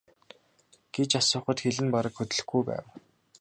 гэж асуухад хэл нь бараг хөдлөхгүй байв.